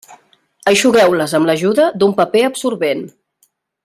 Eixugueu-les amb l'ajuda d'un paper absorbent.